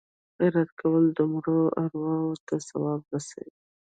خیرات کول د مړو ارواو ته ثواب رسوي.